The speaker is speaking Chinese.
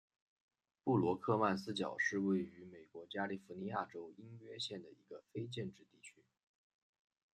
布罗克曼斯角是位于美国加利福尼亚州因约县的一个非建制地区。